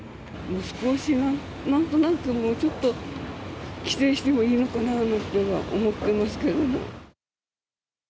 もう少しなんとなくもうちょっと規制してもいいのかななんては思っていますけれど。